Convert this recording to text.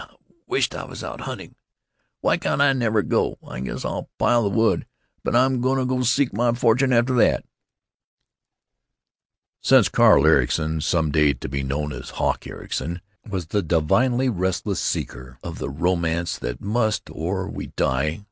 I wisht I was out hunting. Why can't I never go? I guess I'll pile the wood, but I'm gonna go seek my fortune after that." Since Carl Ericson (some day to be known as "Hawk" Ericson) was the divinely restless seeker of the romance that must—or we die!